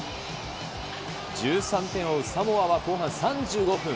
１３点を追うサモアは後半３５分。